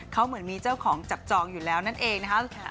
เขาเหมือนมีเจ้าของจับจองอยู่แล้วนั่นเองนะคะ